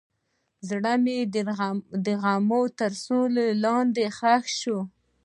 زړه مې د غم تر سیوري لاندې ښخ شو.